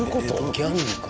ギャングか。